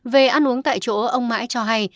về ăn uống tại chỗ ông mãi cho hay